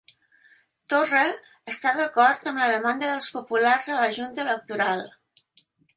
Torra està d'acord amb la demanda dels populars a la Junta Electoral